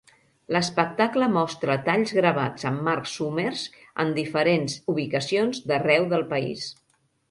L'espectacle mostra talls gravats amb Marc Summers en diferents ubicacions d'arreu del país.